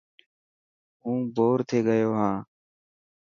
هون بور ٿي گيو هان.